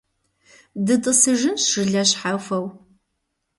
ДытӀысыжынщ жылэ щхьэхуэу.